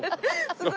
すごい。